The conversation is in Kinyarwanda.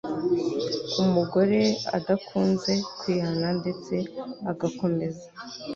umugore adakunze kwihana ndetse agokomeza